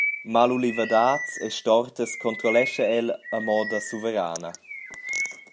Malulivadads e stortas controllescha el a moda suverana.